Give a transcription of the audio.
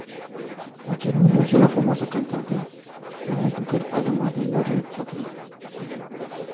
Aquí es donde nació la famosa cantante Tanya Tucker además de Larry Gatlin.